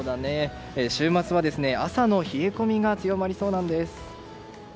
週末は朝の冷え込みが強まりそうなんです。